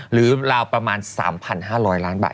ราวประมาณ๓๕๐๐ล้านบาท